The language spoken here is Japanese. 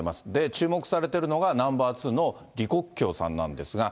注目されているのが、ナンバー２の李克強さんなんですが。